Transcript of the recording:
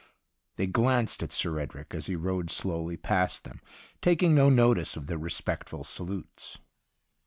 They glanced at Sir Edric as he rode slowly past them, taking no notice of their respectful salutes.